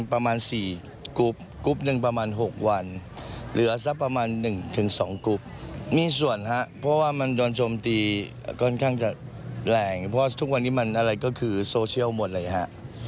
เพราะว่ามันโดนชมตีก็น่ากลางก็แหล่งเพราะว่าทุกวันนี้มันอะไรก็คือโซเชียลหมดเลยครับ